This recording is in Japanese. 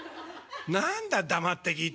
何だ黙って聞い